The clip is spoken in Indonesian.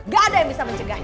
gak ada yang bisa mencegahnya